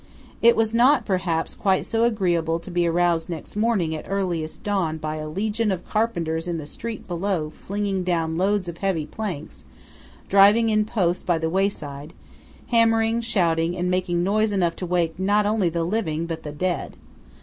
It was not, perhaps, quite so agreeable to be aroused next morning at earliest dawn by a legion of carpenters in the street below flinging down loads of heavy planks, driving in posts by the wayside, hammering, shouting, and making noise enough to wake not only the living but the dead.